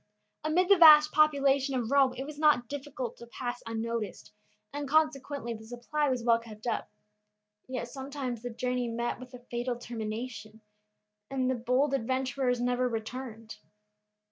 Amid the vast population of Rome it was not difficult to pass unnoticed, and consequently the supply was well kept up. Yet sometimes the journey met with a fatal termination, and the bold adventurers never returned.